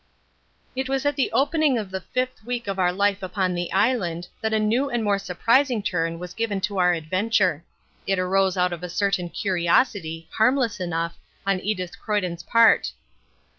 It was at the opening of the fifth week of our life upon the island that a new and more surprising turn was given to our adventure. It arose out of a certain curiosity, harmless enough, on Edith Croyden's part.